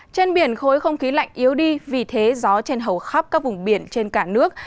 trên biển khối không khí lạnh yếu đi vì thế gió trên hầu khắp các vùng biển trên cả nước